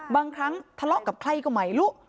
บางครั้งทะเลาะกับใครก็ไม่รู้